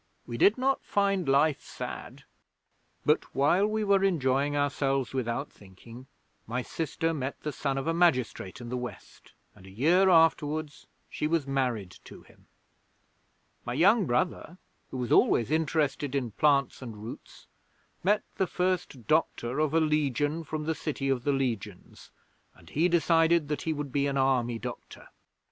We did not find life sad. 'But while we were enjoying ourselves without thinking, my sister met the son of a magistrate in the West and a year afterwards she was married to him. My young brother, who was always interested in plants and roots, met the First Doctor of a Legion from the City of the Legions, and he decided that he would be an Army doctor.